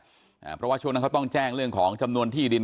เพราะว่าช่วงนั้นเขาต้องแจ้งเรื่องของจำนวนที่ดิน